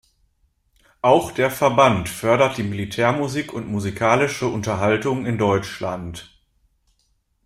Auch der Verband fördert die Militärmusik und musikalische Unterhaltung in Deutschland.